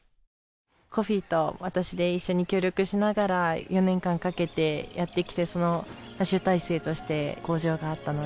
コフィと私で一緒に協力しながら４年間かけてやってきてその集大成として工場があったので。